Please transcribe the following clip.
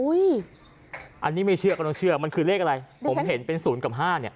อันนี้ไม่เชื่อก็ต้องเชื่อมันคือเลขอะไรผมเห็นเป็น๐กับ๕เนี่ย